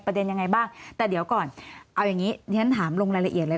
ยังไงบ้างแต่เดี๋ยวก่อนเอาอย่างนี้ฉันถามลงรายละเอียดเลย